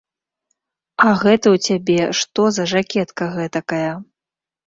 А гэта ў цябе што за жакетка гэтакая?